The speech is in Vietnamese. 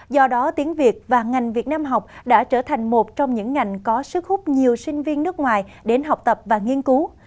do đó tiếng việt và ngành việt nam học đã trở thành một trong những ngành có sức hút nhiều sinh viên nước ngoài đến học tập và nghiên cứu